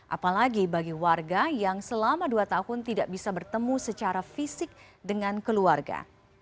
apalagi bagi warga yang selama dua tahun tidak bisa bertemu secara fisik dengan keluarga